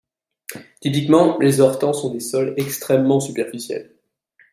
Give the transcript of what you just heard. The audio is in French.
Typiquement, les orthents sont des sols extrêmement superficiels.